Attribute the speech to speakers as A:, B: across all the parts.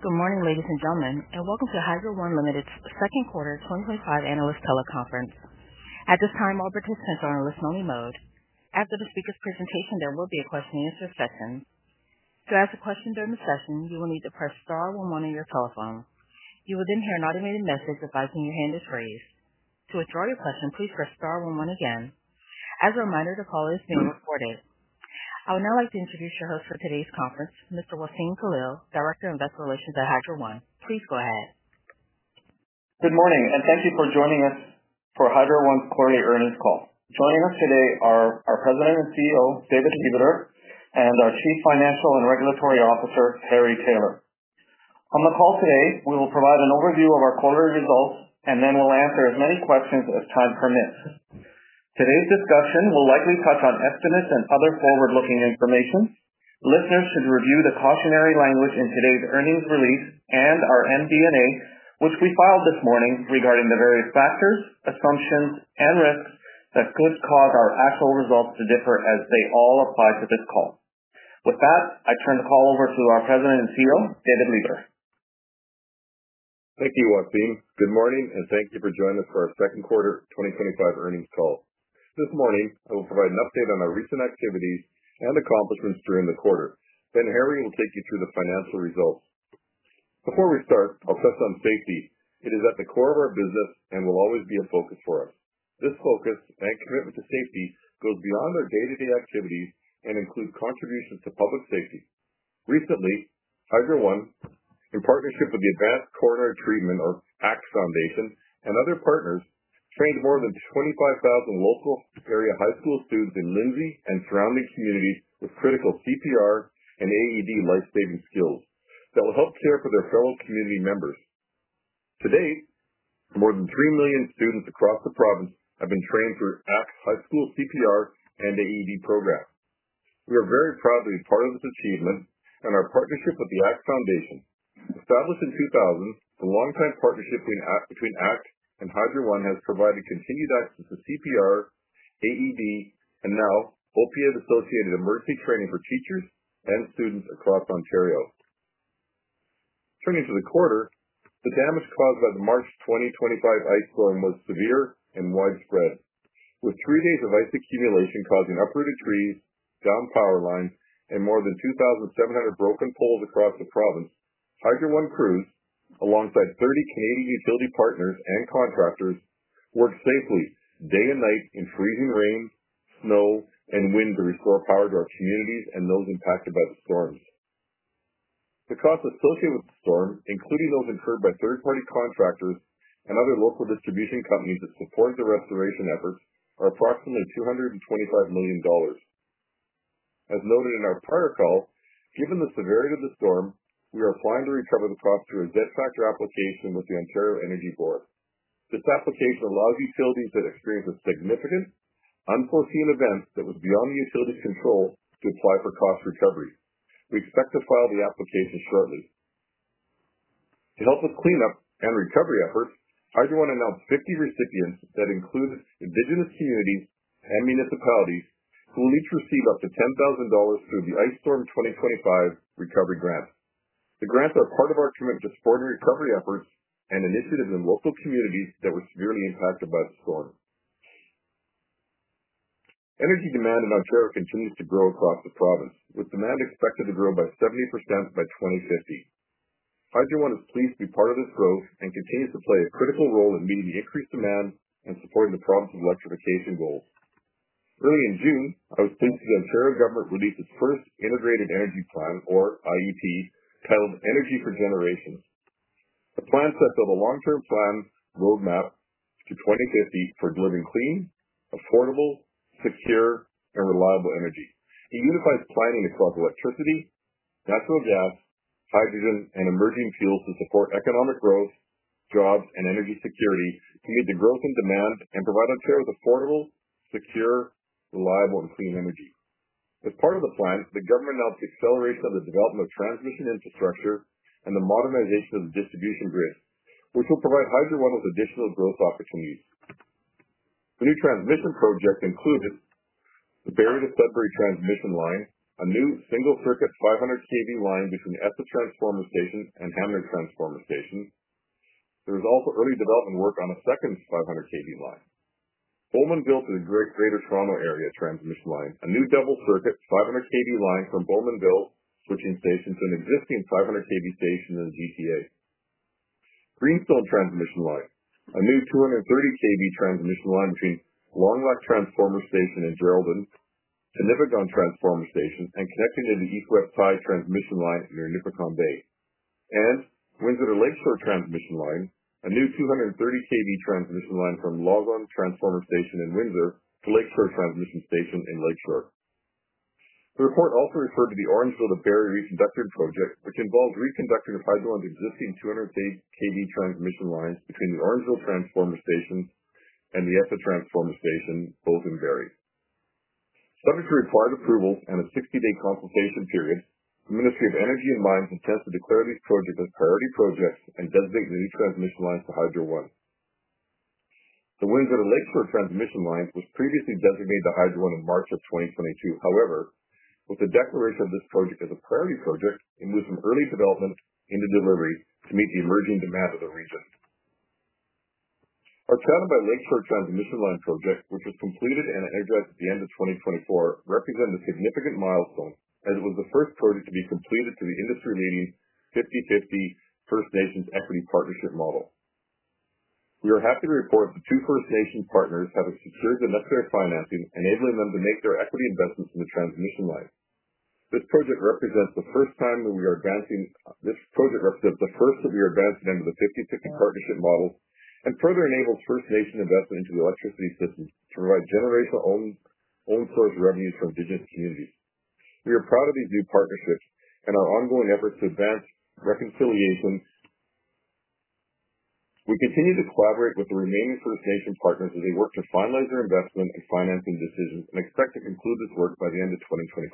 A: Good morning, ladies and gentlemen, and welcome to Hydro One Limited's Second Quarter 2025 Analyst Teleconference. At this time, all participants are in listen-only mode. After the speaker's presentation, there will be a question-and-answer session. To ask a question during the session, you will need to press Star, one, one on your telephone. You will then hear an automated message advising you to hand a phrase. To withdraw your question, please press Star, one, one again. As a reminder, the call is being recorded. I would now like to introduce your host for today's conference, Mr. Wassem Khalil, Director of Investor Relations at Hydro One. Please go ahead.
B: Good morning, and thank you for joining us for Hydro One's quarterly earnings call. Joining us today are our President and CEO, David Lebeter, and our Chief Financial and Regulatory Officer, Harry Taylor. On the call today, we will provide an overview of our quarterly results, and then we'll answer as many questions as time permits. Today's discussion will likely touch on estimates and other forward-looking information. Listeners should review the cautionary language in today's earnings release and our MD&A, which we filed this morning regarding the various factors, assumptions, and risks that could cause our actual results to differ as they all apply to this call. With that, I turn the call over to our President and CEO, David Lebeter.
C: Thank you, Wassem. Good morning, and thank you for joining us for our second quarter 2025 earnings call. This morning, I will provide an update on our recent activities and accomplishments during the quarter. Harry will take you through the financial results. Before we start, I'll touch on safety. It is at the core of our business and will always be a focus for us. This focus, and connected to safety, goes beyond our day-to-day activities and includes contributions to public safety. Recently, Hydro One, in partnership with the Advanced Coronary Treatment or ACT Foundation and other partners, trained more than 25,000 local area high school students in Lindsay and surrounding communities with critical CPR and AED lifesaving skills that will help care for their fellow community members. To date, more than 3 million students across the province have been trained through ACT's High School CPR and AED program. We are very proud to be part of this achievement and our partnership with the ACT Foundation. Established in 2000, the long-time partnership between ACT and Hydro One has provided continued access to CPR, AED, and now OPS-associated emergency training for teachers and students across Ontario. Turning to the quarter, the damage caused by the March 2025 ice storm was severe and widespread, with three days of ice accumulation causing uprooted trees, downed power lines, and more than 2,700 broken poles across the province. Hydro One crews, alongside 30 community utility partners and contractors, worked safely day and night in freezing rain, snow, and wind to restore power to our communities and those impacted by the storms. The costs associated with the storm, including those incurred by third-party contractors and other local distribution companies that supported the restoration efforts, are approximately $225 million. As noted in our prior call, given the severity of the storm, we are applying to recover the cost through a debt factor application with the Ontario Energy Board. This application allows utilities that experience a significant, unforeseen event that was beyond the utility's control to apply for cost recovery. We expect to file the application shortly. To help with cleanup and recovery efforts, Hydro One announced 50 recipients that include Indigenous communities and municipalities who will each receive up to $10,000 through the Ice Storm 2025 Recovery Grant. The grants are part of our commitment to supporting recovery efforts and initiatives in local communities that were severely impacted by the storm. Energy demand in Ontario continues to grow across the province, with demand expected to grow by 70% by 2050. Hydro One is pleased to be part of this growth and continues to play a critical role in meeting the increased demand and supporting the province's electrification goals. Early in June, our province's Ontario government released its first Integrated Energy Plan, or IEP, titled Energy for Generations. The plan sets out a long-term roadmap to 2050 for diligent, clean, affordable, secure, and reliable energy. It unifies planning across electricity, natural gas, hydrogen, and emerging fuels to support economic growth, jobs, and energy security to meet the growth in demand and provide Ontario with affordable, secure, reliable, and clean energy. As part of the plan, the government announced the acceleration of the development of transmission infrastructure and the modernization of the distribution grid, which will provide Hydro One with additional growth opportunities. The new transmission project included the Barrie to Sudbury Transmission Line, a new single-circuit 500 kV line between the Essa Transformer Station and Hanmer Transformer Station. There was also early development work on a second 500 kV line, Bowmanville to the Greater Toronto Area Transmission Line, a new double-circuit 500 kV line from Bowmanville Switching Station to an existing 500 kV station in the GTA. Greenstone Transmission Line, a new 230 kV transmission line between Longlac Transformer Station and Geraldton to Nipigon Transformer Station and connecting to the East-West Tie Transmission Line near Nipigon Bay. Windsor to Lakeshore Transmission Line, a new 230 kV transmission line from Lauzon Transformer Station in Windsor to Lakeshore Transformer Station in Lakeshore. The report also referred to the Orangeville to Barrie Reconductor Project, which involves reconductoring of Hydro One's existing 230 kV transmission lines between the Orangeville Transformer Station and the Essa Transformer Station, both in Barrie. Subject to required approval and a 60-day consultation period, the Ministry of Energy and Environment attempted to declare these projects as priority projects and designate the new transmission lines to Hydro One. The Windsor to Lakeshore Transmission Line was previously designated to Hydro One in March of 2022. However, with the declaration of this project as a priority project, it moved from early development into delivery to meet the emerging demand of the region. Our Chatham to Lakeshore Transmission Line project, which was completed and energized at the end of 2024, represents a significant milestone as it was the first project to be completed to the industry-leading 50-50 First Nations equity partnership model. We are happy to report that the two First Nations partners have secured the necessary financing, enabling them to make their equity investments in the transmission line. This project represents the first time we are advancing this project represents the first of the advancement under the 50-50 partnership model and further enables First Nation investment into the electricity system to provide generational owned source revenues for Indigenous communities. We are proud of these new partnerships and our ongoing efforts to advance reconciliation. We continue to collaborate with the remaining First Nations partners as they work to finalize their investment and financing decisions and expect to conclude this work by the end of 2025.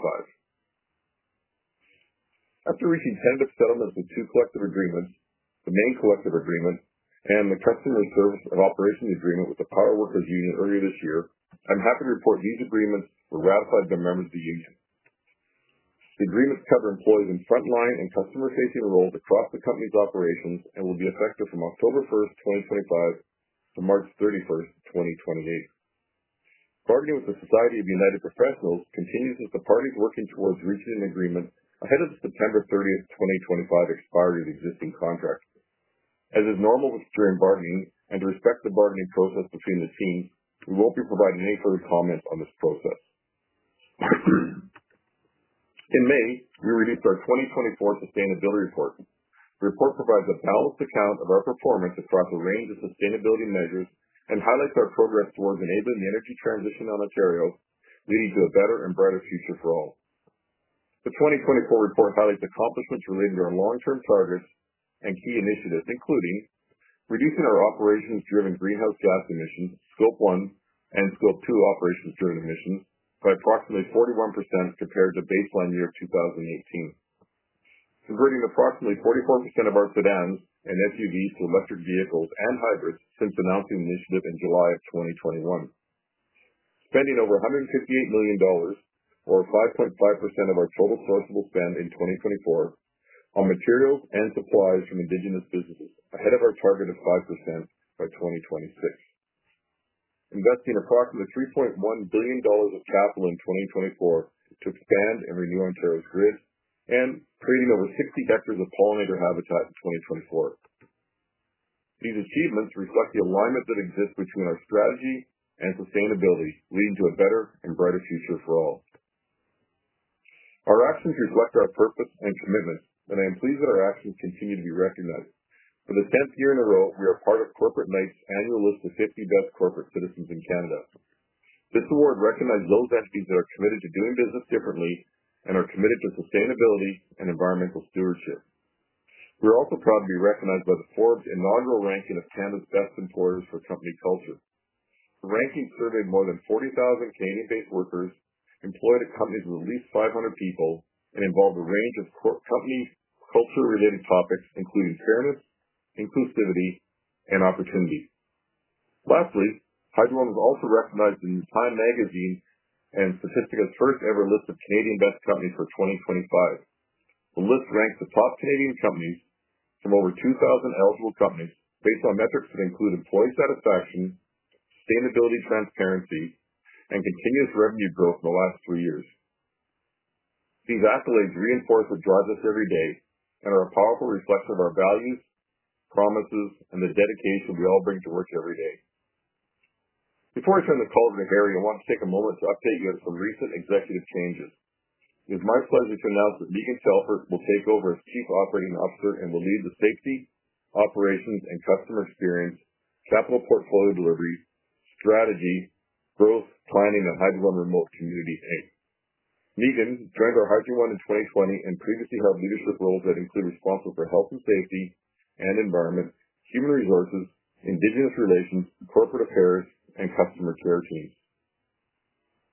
C: After reaching tentative settlements with two collective agreements, the main collective agreement and the customer service and operations agreement with the Power Workers’ Union earlier this year, I'm happy to report these agreements were ratified by members of the Union. The agreements cover employees in front-line and customer-facing roles across the company's operations and will be effective from October 1st, 2025-March 31st, 2028. Bargaining with the Society of United Professionals continues as the parties working towards reaching an agreement ahead of the September 30, 2025 expiry of existing contracts. As is normal with steering bargaining and to respect the bargaining process between the scenes, we won't be providing any further comment on this process. In May, we released our 2024 Sustainability Report. The report provides a balanced account of our performance across a range of sustainability measures and highlights our progress towards enabling the energy transition in Ontario, leading to a better and brighter future for all. The 2024 report highlights the accomplishments related to our long-term progress and key initiatives, including reducing our operations-driven greenhouse gas emissions, Scope 1, and Scope 2 operations-driven emissions by approximately 41% compared to baseline year of 2018, converting approximately 44% of our sedans and SUVs to electric vehicles and hybrids since announcing the initiative in July of 2021, spending over $158 million, or 5.5% of our total perishable spend in 2024, on materials and supplies from Indigenous businesses, ahead of our target of 5% by 2026. Investing approximately $3.1 billion of capital in 2024 to expand and renew Ontario's grid and creating over 60 hectares of pollinator habitat in 2024. These achievements reflect the alignment that exists between our strategy and sustainability, leading to a better and brighter future for all. Our actions reflect our purpose and commitment, and I am pleased that our actions continue to be recognized. For the 10th year in a row, we are part of Corporate Knights' annual list of 50 Best Corporate Citizens in Canada. This award recognizes those entities that are committed to doing business differently and are committed to sustainability and environmental stewardship. We're also proud to be recognized by the Forbes inaugural ranking of Canada's best employers for company culture. The ranking surveyed more than 40,000 Canadian-based workers employed at companies with at least 500 people and involved a range of companies' culture-related topics, including fairness, inclusivity, and opportunity. Lastly, Hydro One was also recognized in the Time Magazine and Statista's first-ever list of Canadian Best Companies for 2025. The list ranks the top Canadian companies from over 2,000 eligible companies based on metrics that include employee satisfaction, sustainability transparency, and continuous revenue growth in the last three years. These accolades reinforce what drives us every day and are a powerful reflection of our values, promises, and the dedication we all bring to work every day. Before I turn the call to the area, I want to take a moment to update you on some recent executive changes. It is my pleasure to announce that Megan Telford will take over as Chief Operating Officer and will lead the Safety, Operations, and Customer Experience, Capital Portfolio Delivery, Strategy, Growth, Planning of Hydro One Remote Communities, Inc. Megan joined Hydro One in 2020 and previously held leadership roles that include responsible for Health and Safety and Environment, Human Resources, Indigenous Relations, Corporate Affairs, and Customer Care Change.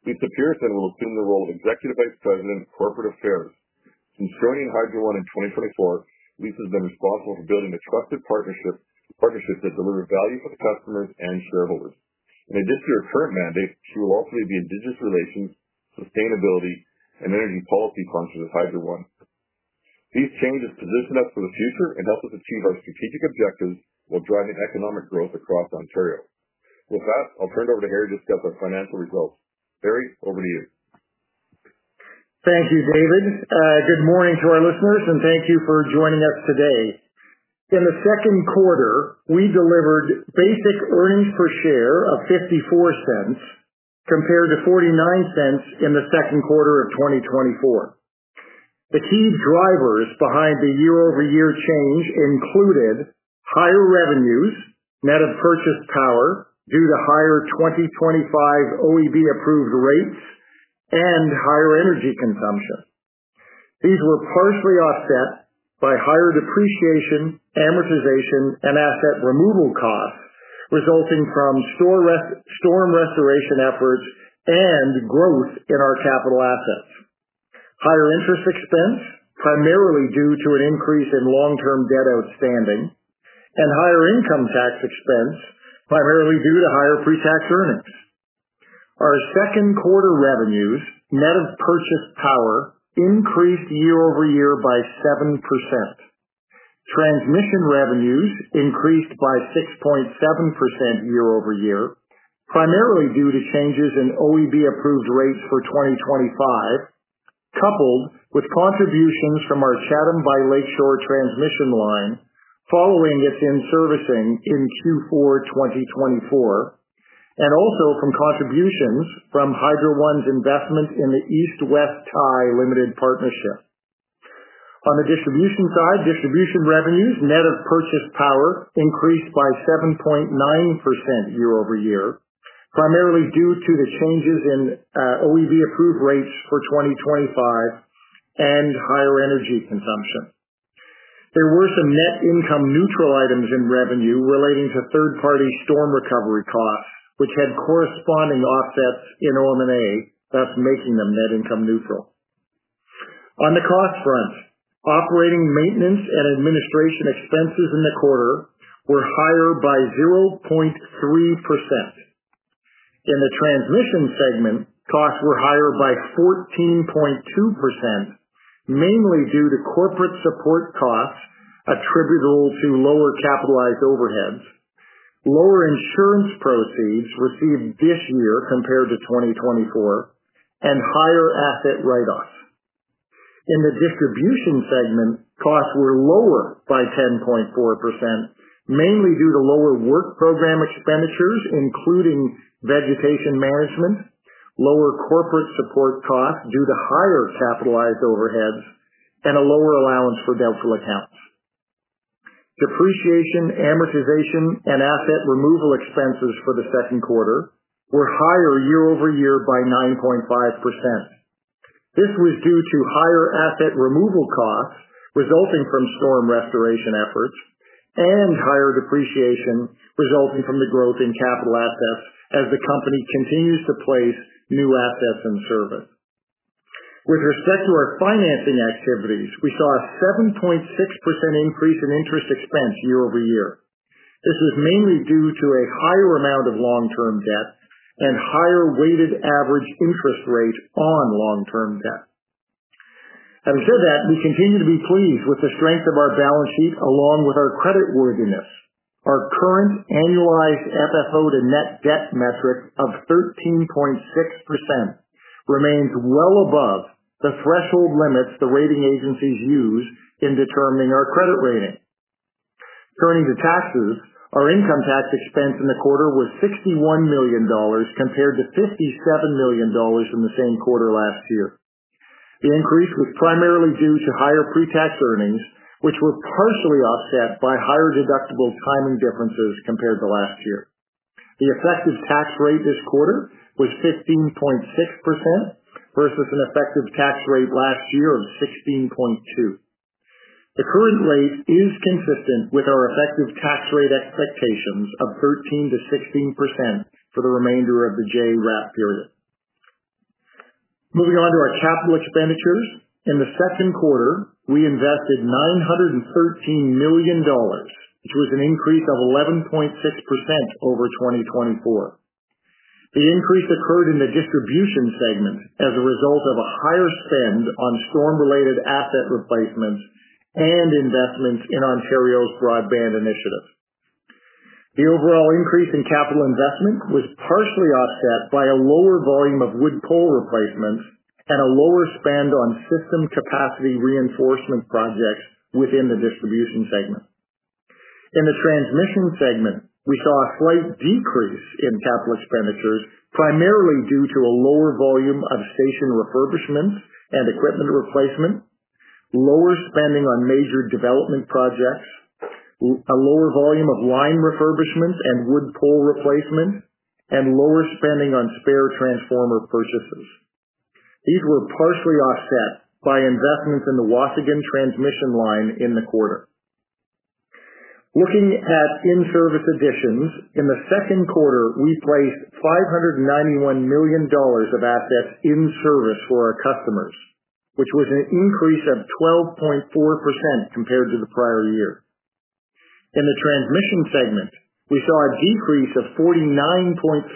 C: She’s appearance and will assume the role of Executive Vice President, Corporate Affairs. Since joining Hydro One in 2024, Lisa’s been responsible for building the trusted partnerships that deliver value for the customers and shareholders. In addition to her current mandate, she will also lead the Indigenous Relations, Sustainability, and Energy Policy Consultants at Hydro One. These changes position us for the future and help us achieve our strategic objectives while driving economic growth across Ontario. With that, I’ll turn it over to Harry to discuss our financial results. Harry, over to you.
D: Thank you, David. Good morning to our listeners, and thank you for joining us today. In the second quarter, we delivered basic EPS of $0.54 compared to $0.49 in the second quarter of 2024. The key drivers behind the year-over-year change included higher revenues, net of purchase power due to higher 2025 OEB-approved rates, and higher energy consumption. These were partially offset by higher depreciation, amortization, and asset removal costs resulting from storm restoration efforts and growth in our capital assets. Higher interest expense, primarily due to an increase in long-term debt outstanding, and higher income tax expense, primarily due to higher pre-tax earnings. Our second quarter revenues, net of purchase power, increased year-over-year by 7%. Transmission revenues increased by 6.7% year-over-year, primarily due to changes in OEB-approved rates for 2025, coupled with contributions from our Chatham to Lakeshore Transmission Line following its in-servicing in Q4 2024, and also from contributions from Hydro One's investment in the East West Tide Limited Partnership. On the distribution side, distribution revenues, net of purchase power, increased by 7.9% year-over-year, primarily due to the changes in OEB-approved rates for 2025 and higher energy consumption. There were some net income neutral items in revenue relating to third-party storm recovery costs, which had corresponding offsets in OM&A that are making them net income neutral. On the cost front, operating maintenance and administration expenses in the quarter were higher by 0.3%. In the transmission segment, costs were higher by 14.2%, mainly due to corporate support costs attributable to lower capitalized overheads, lower insurance proceeds received this year compared to 2024, and higher asset write-offs. In the distribution segment, costs were lower by 10.4%, mainly due to lower work program expenditures, including vegetation management, lower corporate support costs due to higher capitalized overheads, and a lower allowance for debt to account. Depreciation, amortization, and asset removal expenses for the second quarter were higher year-over-year by 9.5%. This was due to higher asset removal costs resulting from storm restoration efforts and higher depreciation resulting from the growth in capital assets as the company continues to place new assets in service. With respect to our financing activities, we saw a 7.6% increase in interest expense year-over-year. This was mainly due to a higher amount of long-term debt and higher weighted average interest rate on long-term debt. Having said that, we continue to be pleased with the strength of our balance sheet, along with our creditworthiness. Our current annualized FFO to net debt metrics of 13.6% remains well above the threshold limits the rating agencies use in determining our credit rating. Turning to taxes, our income tax expense in the quarter was $61 million compared to $57 million in the same quarter last year. The increase was primarily due to higher pre-tax earnings, which were partially offset by higher deductible timing differences compared to last year. The effective tax rate this quarter was 15.6% versus an effective tax rate last year of 16.2%. The current rate is consistent with our effective tax rate expectations of 13%-16% for the remainder of the JRAF period. Moving on to our capital expenditures, in the second quarter, we invested $913 million, which was an increase of 11.6% over 2024. The increase occurred in the distribution segment as a result of a higher spend on storm-related asset replacements and investments in Ontario's broadband initiative. The overall increase in capital investment was partially offset by a lower volume of wood pole replacements and a lower spend on system capacity reinforcement projects within the distribution segment. In the transmission segment, we saw a slight decrease in capital expenditures, primarily due to a lower volume of station refurbishments and equipment replacement, lower spending on major development projects, a lower volume of line refurbishments and wood pole replacement, and lower spending on spare transformer purchases. These were partially offset by investments in the Chatham to Lakeshore Transmission Line in the quarter. Looking at in-service additions, in the second quarter, we placed $591 million of assets in service for our customers, which was an increase of 12.4% compared to the prior year. In the transmission segment, we saw a decrease of 49.3%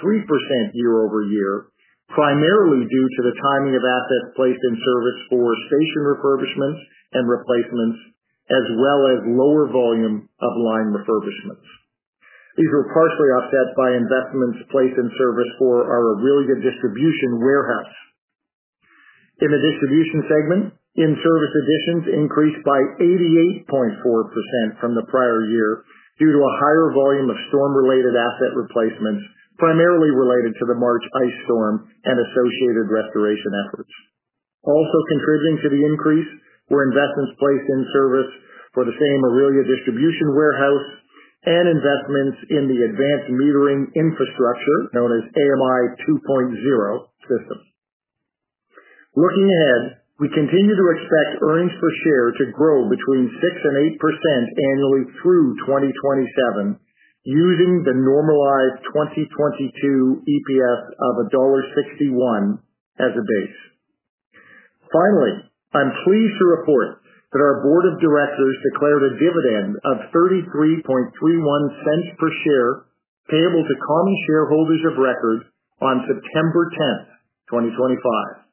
D: year-over-year, primarily due to the timing of assets placed in service for station refurbishments and replacements, as well as lower volume of line refurbishments. These were partially offset by investments placed in service for our distribution warehouse. In the distribution segment, in-service additions increased by 88.4% from the prior year due to a higher volume of storm-related asset replacements, primarily related to the March ice storm and associated restoration efforts. Also contributing to the increase were investments placed in service for the same Aurelia Distribution Warehouse and investments in the advanced metering infrastructure known as AMI 2.0 system. Looking ahead, we continue to expect earnings per share to grow between 6% and 8% annually through 2027, using the normalized 2022 EPS of $1.61 as a base. Finally, I'm pleased to report that our Board of Directors declared a dividend of $0.3331 per share payable to common shareholders of record on September 10th, 2025.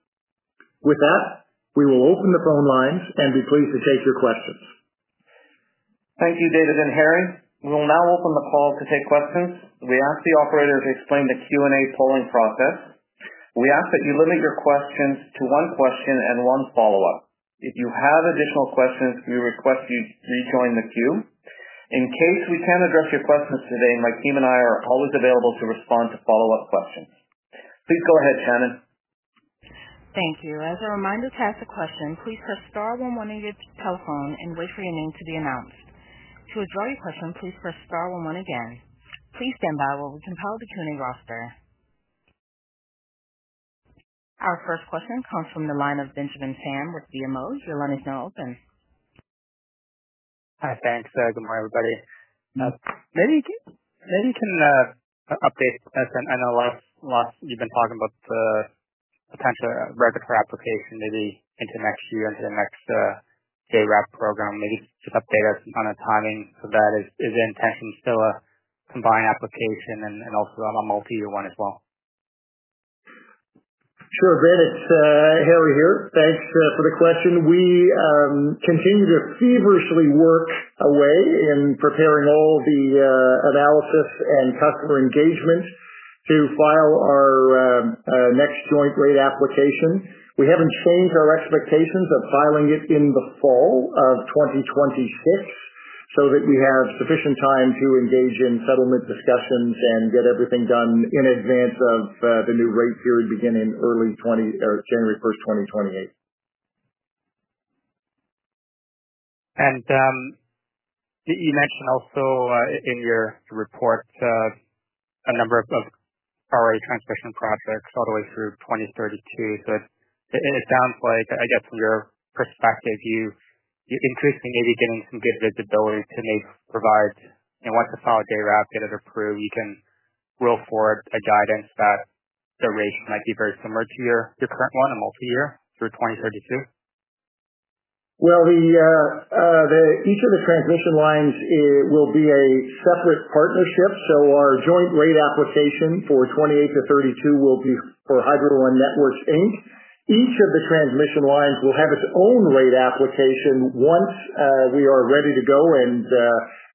D: With that, we will open the phone lines and be pleased to take your questions.
B: Thank you, David and Harry. We will now open the call to take questions. We ask the operator to explain the Q&A polling process. We ask that you limit your questions to one question and one follow-up. If you have additional questions, we request you rejoin the queue. In case we can't address your questions today, my team and I are always available to respond to follow-up questions. Please go ahead, Shannon.
A: Thank you. As a reminder, to ask a question, please press Star, one, one at your telephone and wait for your name to be announced. To withdraw your question, please press Star, one, one again. Please stand by while we compile the Q&A roster. Our first question comes from the line of Benjamin Pham with BMO. Your line is now open.
E: Hi, thanks. Good morning, everybody. Maybe you can update us. I know last you've been talking about the potential regulatory application, maybe into next year, into the next JRAF program. Maybe you could update us on the timing of that. Is the intention still a combined application and also a multi-year one as well?
D: Sure, Brad. It's Harry here. Thanks for the question. We continue to feverishly work away in preparing all the analysis and customer engagement to file our next joint rate application. We haven't changed our expectations of filing it in the fall of 2026, so that we have sufficient time to engage in settlement discussions and get everything done in advance of the new rate period beginning January 1st, 2028.
E: You mentioned also in your report a number of ROA transmission projects all the way through 2032. It sounds like, I guess, from your perspective, you're interested in maybe getting some good visibility to maybe provide, you know, once the solid JRAF gets approved, you can roll forward a guidance that the rate might be very similar to your current one, a multi-year through 2032.
D: Each of the transmission lines will be a separate partnership. Our joint rate application for 2028-2032 will be for Hydro One Networks Inc. Each of the transmission lines will have its own rate application once we are ready to go and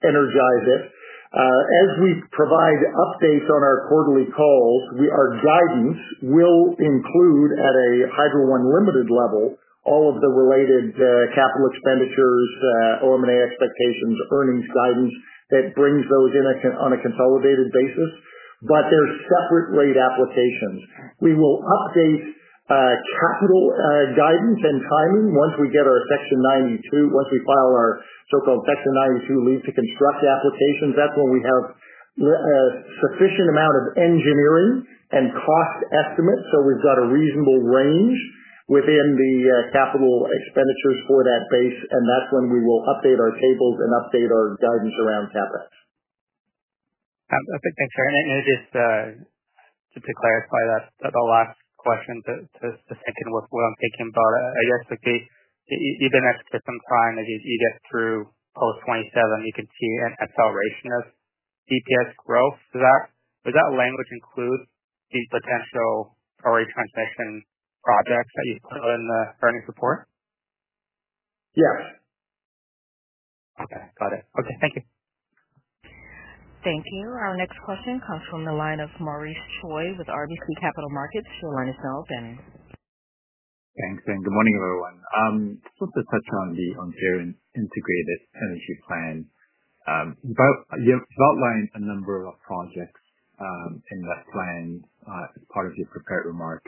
D: energize it. As we provide updates on our quarterly calls, our guidance will include at a Hydro One Limited level all of the related capital expenditures, OM&A expectations, earnings guidance that brings those in on a consolidated basis. There are separate rate applications. We will update capital guidance and timing once we get our Section 92, once we file our so-called Section 92 Leave to Construct applications. That is when we have a sufficient amount of engineering and cost estimates. We have a reasonable range within the capital expenditures for that base, and that is when we will update our tables and update our guidance around CapEx.
E: Perfect. Thanks, Harry. Just to clarify that, the last question to thinking what I'm thinking about, are you expecting, you didn't expect some time that you get through post-2027, you could see an acceleration of EPS growth. Does that language include the potential ROA transmission projects that you put in the earnings report?
D: Yes.
E: Okay, got it. Okay, thank you.
A: Thank you. Our next question comes from the line of Maurice Choy with RBC Capital Markets. Your line is now open.
F: Thanks, Shannon. Good morning, everyone. I just want to touch on the Ontario Integrated Energy Plan. You've outlined a number of projects in the plan as part of your prepared remark.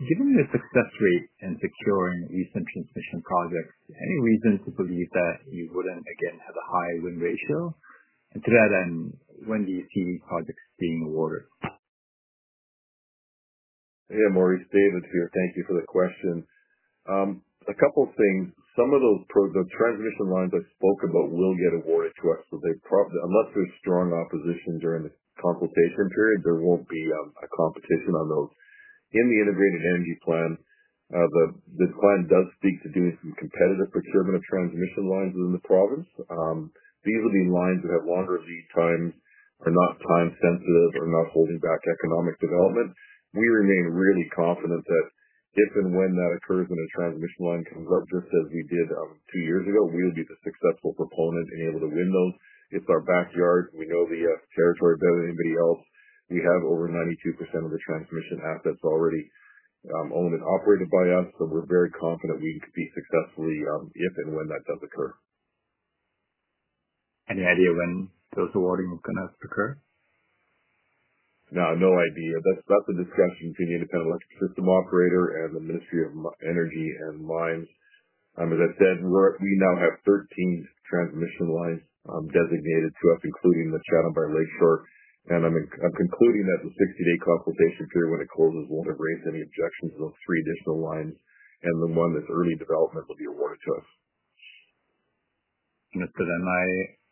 F: Given the success rate in securing recent transmission projects, any reason to believe that you wouldn't, again, have a high win ratio? To that end, when do you see projects being awarded?
C: Yeah, Maurice, David here. Thank you for the question. A couple of things. Some of those transmission lines I spoke about will get awarded to us, but they probably, unless there's strong opposition during the consultation period, there won't be a competition on those. In the Integrated Energy Plan, the client does seek to do these competitive procurement of transmission lines within the province. These will be lines that have longer lead times, are not time-sensitive, are not holding back economic development. We remain really confident that if and when that occurs in a transmission line congruent just as we did two years ago, we'll be the successful proponent and able to win those. It's our backyard. We know the territory better than anybody else. We have over 92% of the transmission assets already owned and operated by us. We're very confident we can be successful if and when that does occur.
F: Any idea when those awarding is going to have to occur?
C: No, no idea. That's a discussion between the Independent Electric System Operator and the Ministry of Energy and Mines. As I've said, we now have 13 transmission lines designated to us, including the Chatham to Lakeshore. I'm concluding that the 60-day consultation period, when it closes, won't have raised any objections to those three additional lines, and the one that's early development will be awarded to us.
F: Understood. My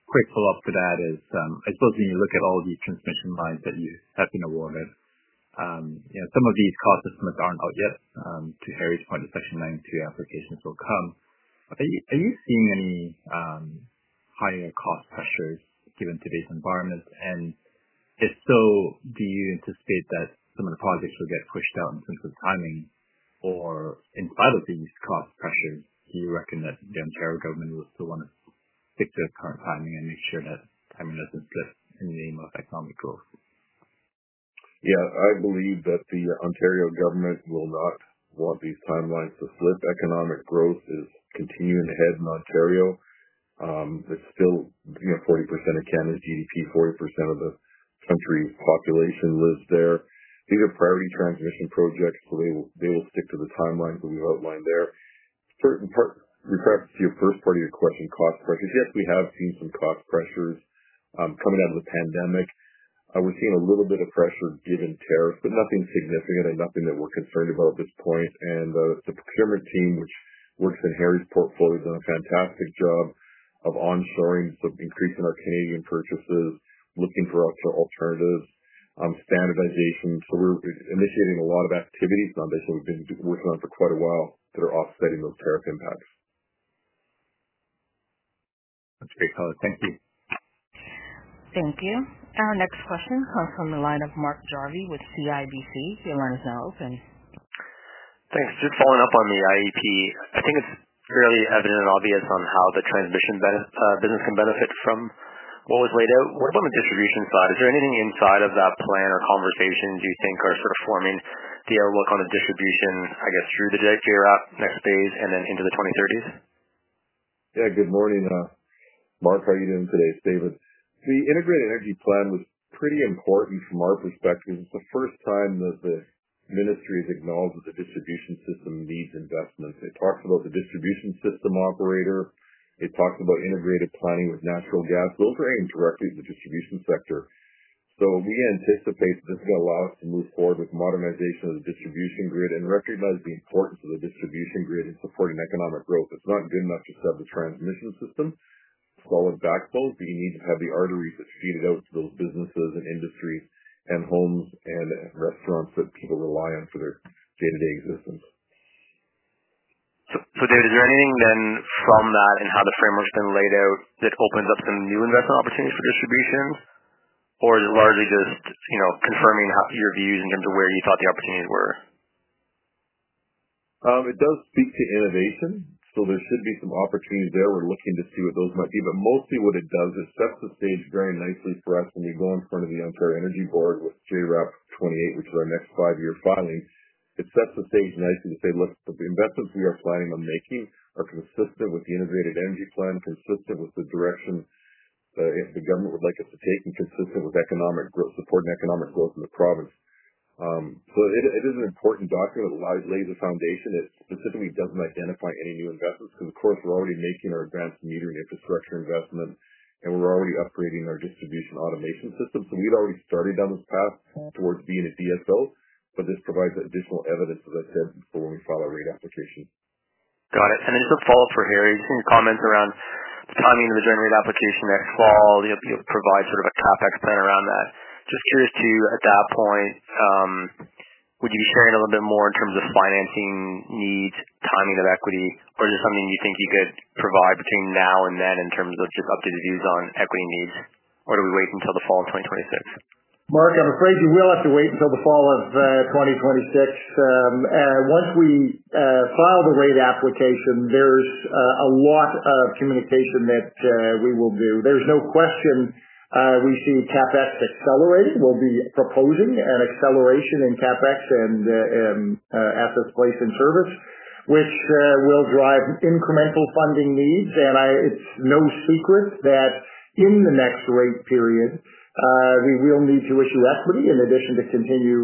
F: quick follow-up to that is, I suppose when you look at all the transmission lines that you have been awarded, some of these cost estimates aren't out yet. To Harry's point, the Section 92 applications will come. Are you seeing any higher cost pressures given today's environment? If so, do you anticipate that some of the projects will get pushed out in terms of timing? In spite of these cost pressures, do you reckon that the Ontario government will still want to stick to the current timing and make sure that timing doesn't slip in the name of economic growth?
C: Yeah, I believe that the Ontario government will not want these timelines to slip. Economic growth is continuing to head in Ontario. There's still, you know, 40% of Canada's GDP, 40% of the country's population lives there. These are priority transmission projects, so they will stick to the timelines that we've outlined there. Certain parts, your first part of your question, cost pressures. Yes, we have seen some cost pressures coming out of the pandemic. We're seeing a little bit of pressure given tariffs, but nothing significant and nothing that we're concerned about at this point. The procurement team, which works in Harry Taylor's portfolio, has done a fantastic job of onshoring some increase in our Canadian purchases, looking for alternatives, standardization. We're initiating a lot of activities now that we've been working on for quite a while that are offsetting those tariff impacts.
F: That's great. Thank you.
A: Thank you. Our next question comes from the line of Mark Jarvi with CIBC. Your line is now open.
G: Thanks. Just following up on the Integrated Energy Plan, I think it's fairly evident and obvious on how the transmission business can benefit from what was laid out. What about on the distribution side? Is there anything inside of that plan or conversation you think are sort of forming the outlook on the distribution, I guess, through the JRAF next phase and then into the 2030s?
C: Yeah, good morning, Mark. How are you doing today, it's David. The Integrated Energy Plan was pretty important from our perspective. It's the first time that the ministry has acknowledged that the distribution system needs investments. It talks about the distribution system operator. It talks about integrated planning with natural gas. Those are aimed directly at the distribution sector. We anticipate that this is going to allow us to move forward with modernization of the distribution grid and recognize the importance of the distribution grid in supporting economic growth. It's not good enough just to have the transmission system flow and backflow, but you need to have the arteries that feed it out to those businesses and industries and homes and restaurants that people rely on for their day-to-day existence.
G: David, you're meaning then from that and how the framework's been laid out, it opens up some new investment opportunities for distribution? Or is it largely just confirming your views in terms of where you thought the opportunities were?
C: It does speak to innovation. There should be some opportunities there. We're looking to see what those might be. Mostly what it does is set the stage very nicely for us when you go in front of the Ontario Energy Board with JRAF 28, which is our next five-year filing. It sets the stage nicely to say, "Look, the investments we are planning on making are consistent with the Integrated Energy Plan, consistent with the direction the government would like us to take, and consistent with economic growth, supporting economic growth in the province." It is an important document with a large laser foundation that specifically doesn't identify any new investments because we're already making our advanced metering infrastructure investment and we're already upgrading our distribution automation system. We'd already started down this path towards being a DSO, but this provides additional evidence of it before we file our rate application.
G: Got it. Quick follow-up for Harry. Some comments around the timing of the joint rate application next fall. You'll provide sort of a CapEx plan around that. Just curious too, at that point, would you be sharing a little bit more in terms of financing needs, timing of equity, versus something you think you could provide between now and then in terms of just updated views on equity needs? Do we wait until the fall of 2026?
D: Mark, I'm afraid you will have to wait until the fall of 2026. Once we file the rate application, there's a lot of communication that we will do. There's no question we see CapEx accelerating. We'll be proposing an acceleration in CapEx and assets placed in service, which will drive incremental funding needs. It's no secret that in the next rate period, we will need to issue equity in addition to continue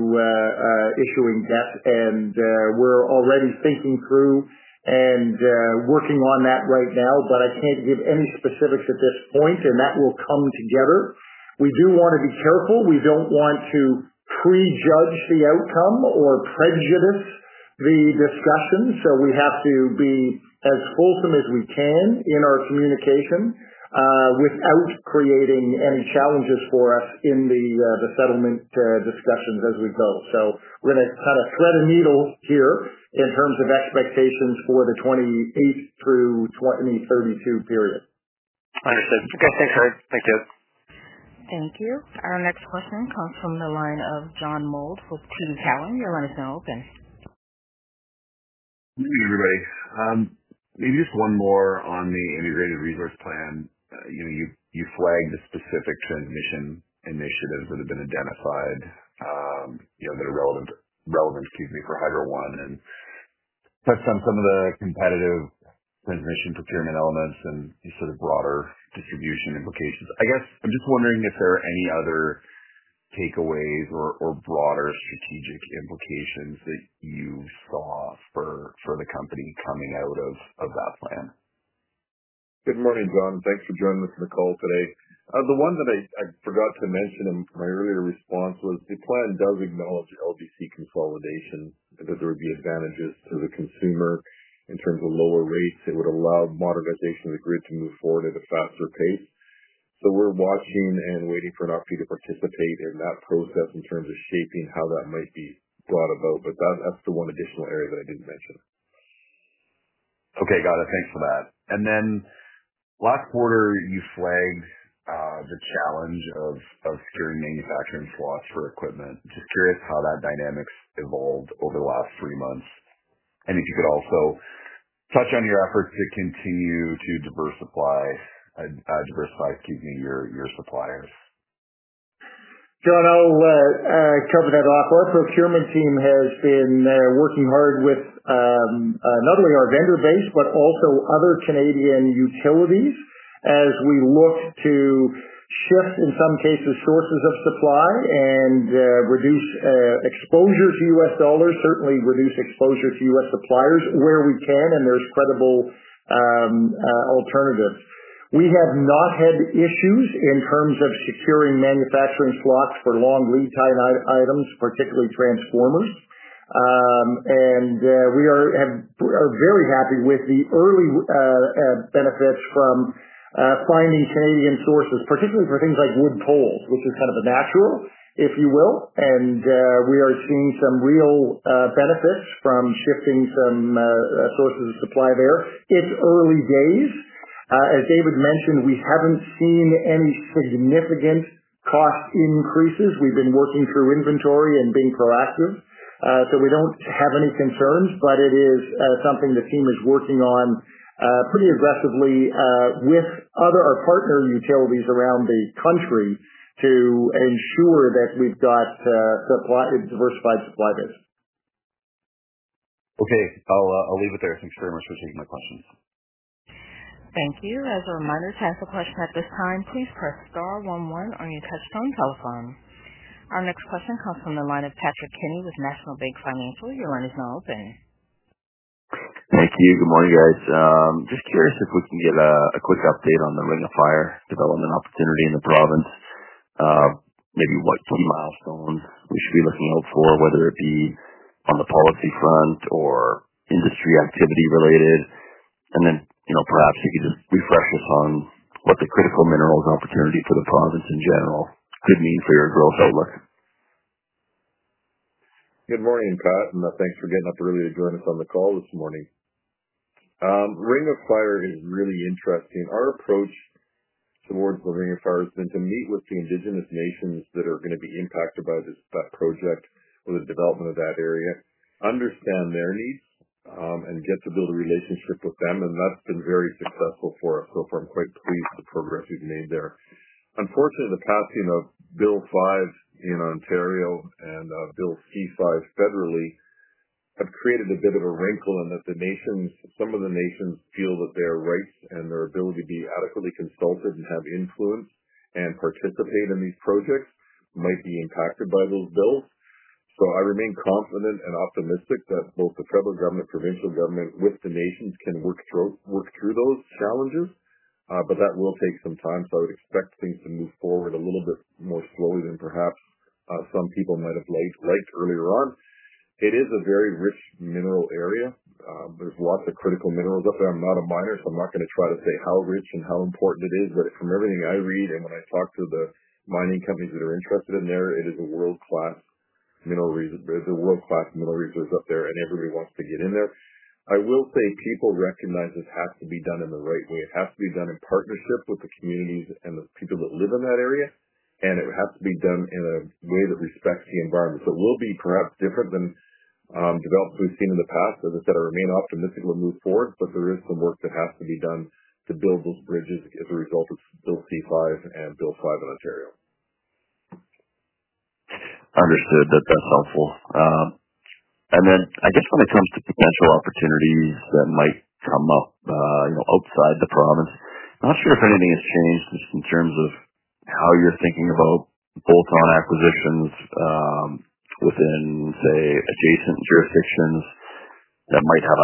D: issuing debt. We're already thinking through and working on that right now, but I can't give any specifics at this point, and that will come together. We do want to be careful. We don't want to prejudge the outcome or prejudice the discussion. We have to be as wholesome as we can in our communication without creating any challenges for us in the settlement discussions as we go. We're going to kind of thread a needle here in terms of expectations for the 2028 through 2032 period.
G: Understood. Okay, thanks, Harry. Thank you.
A: Thank you. Our next question comes from the line of John Mould with TD Cowen. Your line is now open.
H: Hey, everybody. Maybe just one more on the Integrated Energy Plan. You flagged a specific transmission initiative that had been identified that are relevant, excuse me, for Hydro One. It's touched on some of the competitive transmission procurement elements and you said the broader distribution implications. I'm just wondering if there are any other takeaways or broader strategic implications that you saw for the company coming out of that plan.
C: Good morning, John. Thanks for joining us for the call today. The one that I forgot to mention in my earlier response was the plan does acknowledge LDC consolidation because there would be advantages to the consumer in terms of lower rates. It would allow modernization of the grid to move forward at a faster pace. We are watching and waiting for an opportunity to participate in that process in terms of shaping how that might be brought about. That's the one additional area that I didn't mention.
H: Okay. Got it. Thanks for that. Last quarter, you flagged the challenge of steering manufacturing slots for equipment. I'm just curious how that dynamic's evolved over the last three months. If you could also touch on your efforts to continue to diversify your suppliers.
D: John, I'll cover that. Our procurement team has been working hard with not only our vendor base, but also other Canadian utilities as we look to shift, in some cases, sources of supply and reduce exposure to U.S. dollars, certainly reduce exposure to U.S. suppliers where we can, and there's credible alternatives. We have not had issues in terms of securing manufacturing slots for long lead time items, particularly transformers. We are very happy with the early benefits from finding Canadian sources, particularly for things like wood poles, which is kind of a natural, if you will. We are seeing some real benefits from shifting some sources of supply there. It's early days. As David mentioned, we haven't seen any significant cost increases. We've been working through inventory and being proactive. We don't have any concerns, but it is something the team is working on pretty aggressively with other partner utilities around the country to ensure that we've got a diversified supply base.
H: Okay, I'll leave it there. Thanks very much for taking my questions.
A: Thank you. As a reminder, to ask a question at this time, please press Star,, one, one on your touchstone telephone. Our next question comes from the line of Patrick Kenny with National Bank Financial. Your line is now open.
I: Thank you. Good morning, guys. Just curious if we can get a quick update on the Ring of Fire development opportunity in the province. Maybe what sort of milestone we should be looking out for, whether it be on the policy front or industry activity related. Perhaps you could just refresh us on what the critical minerals opportunity for the province in general could mean for your growth outlook.
C: Good morning, Pat. Thanks for getting up early to join us on the call this morning. Ring of Fire is really interesting. Our approach towards the Ring of Fire has been to meet with the Indigenous Nations that are going to be impacted by this project with the development of that area, understand their needs, and get to build a relationship with them. That has been very successful for us. I'm quite pleased with the progress we've made there. Unfortunately, in the past, Bill 5 in Ontario and Bill C5 federally have created a bit of a wrinkle in that some of the nations feel that their rights and their ability to be adequately consulted and have influence and participate in these projects might be impacted by those bills. I remain confident and optimistic that both the federal government and provincial government with the nations can work through those challenges. That will take some time, so I would expect things to move forward a little bit more slowly than perhaps some people might have liked earlier on. It is a very rich mineral area. There are lots of critical minerals up there. I'm not a miner, so I'm not going to try to say how rich and how important it is. From everything I read and when I talk to the mining companies that are interested in there, it is a world-class mineral resource up there, and everybody wants to get in there. People recognize this has to be done in the right way. It has to be done in partnership with the communities and the people that live in that area. It has to be done in a way that respects the environment. It will be perhaps different than developments we've seen in the past. As I said, I remain optimistic we'll move forward, but there is some work that has to be done to build those bridges as a result of Bill C-5 and Bill 5 in Ontario.
I: Understood. That's helpful. I guess when it comes to potential opportunities that might come up outside the province, I'm not sure if anything has changed just in terms of how you're thinking about bolt-on acquisitions within, say, adjacent jurisdictions that might have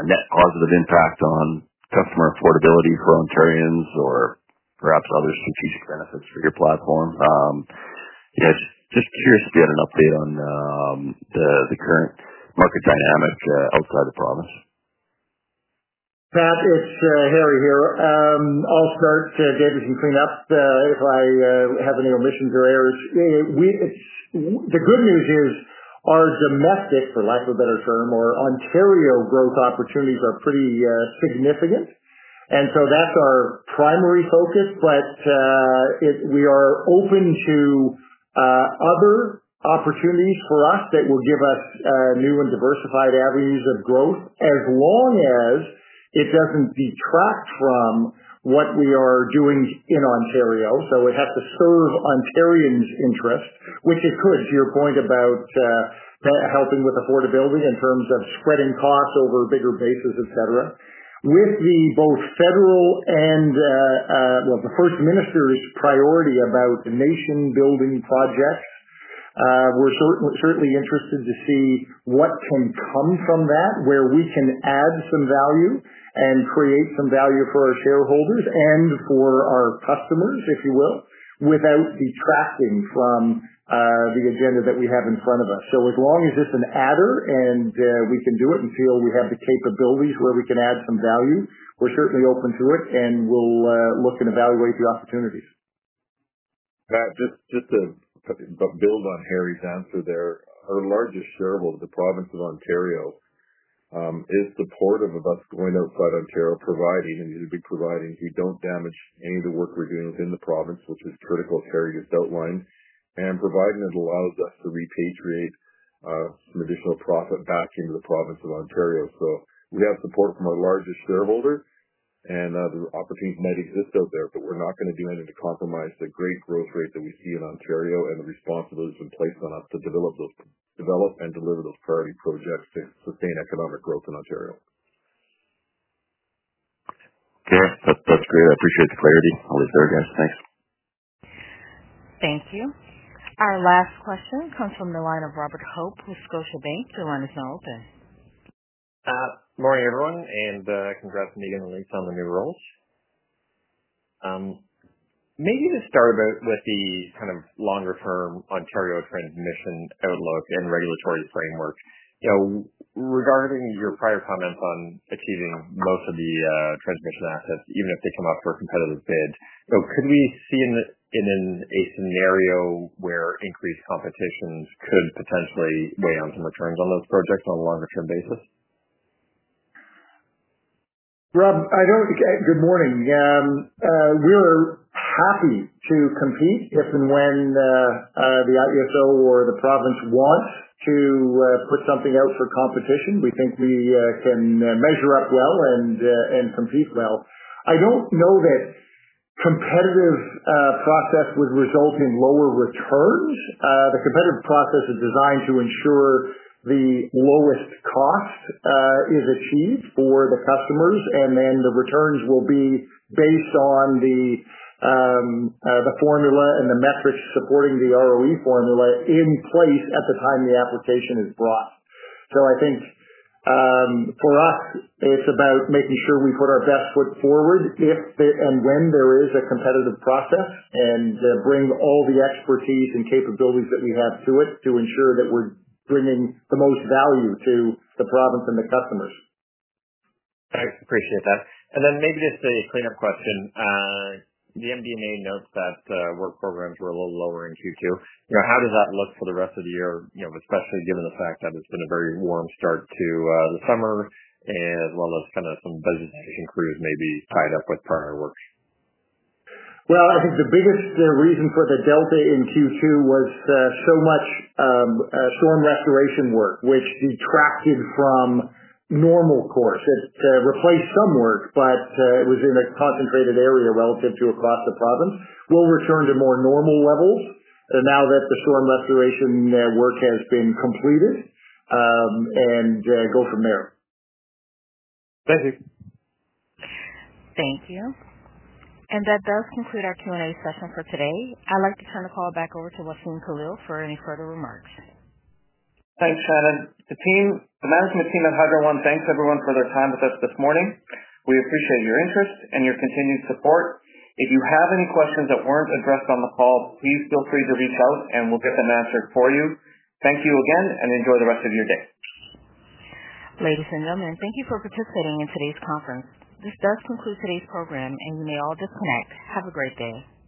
I: a net positive impact on customer affordability for Ontarians or perhaps other strategic benefits for your platform. Just curious if you had an update on the current market dynamic outside the province.
D: Pat, it's Harry here. I'll start, David, some cleanups. If I have any omissions or errors, you know, the good news is our domestic, for lack of a better term, or Ontario growth opportunities are pretty significant, and that's our primary focus. We are open to other opportunities for us that will give us new and diversified avenues of growth as long as it doesn't detract from what we are doing in Ontario. It has to serve Ontarians' interests, which it could, to your point about helping with affordability in terms of spreading cost over bigger bases, etc. With both federal and the First Ministry priority about the nation-building projects, we're certainly interested to see what can come from that, where we can add some value and create some value for our shareholders and for our customers, if you will, without detracting from the agenda that we have in front of us. As long as it's an adder and we can do it and feel we have the capabilities where we can add some value, we're certainly open to it and we'll look and evaluate the opportunities.
C: Pat, just to build on Harry's answer there, our largest shareholder, the Province of Ontario, is supportive of us going outside Ontario, provided you don't damage any of the work we're doing within the province, which is critical, as Harry just outlined. Provided it allows us to repatriate some additional profit back into the Province of Ontario. We have support from our largest shareholder, and the opportunities might exist out there, but we're not going to do anything to compromise the great growth rate that we see in Ontario and the responsibilities we've placed on us to develop and deliver those priority projects to sustain economic growth in Ontario. Yeah, that's great. I appreciate the clarity. I'll leave it there, guys. Thanks.
A: Thank you. Our last question comes from the line of Robert Hope with Scotiabank. Your line is now open.
J: Morning, everyone. Congrats on making the lease on the new roles. Maybe to start about with the kind of longer-term Ontario transmission outlook and regulatory framework. Regarding your prior comments on exceeding most of the transmission assets, even if they come up for a competitive bid, could we see in a scenario where increased competitions could potentially weigh on some returns on those projects on a longer-term basis?
B: Rob, good morning. We're happy to compete if and when the IESO or the province wants to put something out for competition. We think we can measure up well and compete well. I don't know that the competitive process would result in lower returns. The competitive process is designed to ensure the lowest cost is achieved for the customers, and then the returns will be based on the formula and the metrics supporting the ROE formula in place at the time the application is brought. I think for us, it's about making sure we put our best foot forward if and when there is a competitive process and bring all the expertise and capabilities that we have to it to ensure that we're bringing the most value to the province and the customers.
J: I appreciate that. Maybe just a cleanup question. The MD&A notes that work programs were a little lower in Q2. How does that look for the rest of the year, especially given the fact that it's been a very warm start to the summer, as well as kind of some business increase maybe tied up with prior work?
B: I think the biggest reason for the delta in Q2 was so much storm restoration work, which detracted from normal course. It replaced some work, but it was in a concentrated area relative to across the province. We'll return to more normal levels now that the storm restoration work has been completed and go from there.
J: Thank you.
A: Thank you. That does conclude our Q&A session for today. I'd like to turn the call back over to Wassem Khalil for any further remarks.
B: Thanks, Shannon. The management team at Hydro One thanks everyone for their time with us this morning. We appreciate your interest and your continued support. If you have any questions that weren't addressed on the call, please feel free to reach out and we'll get them answered for you. Thank you again and enjoy the rest of your day.
A: Ladies and gentlemen, thank you for participating in today's conference. This does conclude today's program, and you may all disconnect. Have a great day.